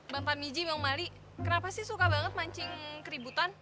bapak miji bang mali kenapa sih suka banget mancing keributan